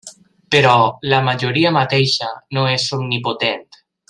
Però la majoria mateixa no és omnipotent.